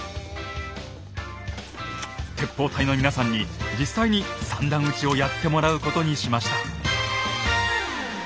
鉄砲隊の皆さんに実際に三段撃ちをやってもらうことにしました。